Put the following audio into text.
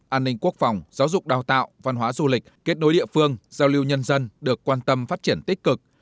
an ninh quốc phòng giáo dục đào tạo văn hóa du lịch kết đối địa phương giao lưu nhân dân được quan tâm phát triển tích cực